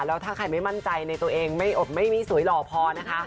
แล้วถ้าใครไม่มั่นใจในตัวเองไม่มีสวยหล่อพอนะคะ